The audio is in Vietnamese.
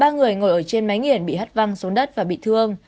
ba người ngồi ở trên máy nghiển bị hắt văng xuống đất và bị thương